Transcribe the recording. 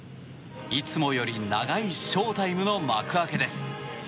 いつもより長いショウタイムの幕開けです。